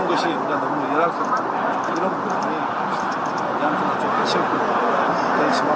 dan itu kebetulannya masih cerah ya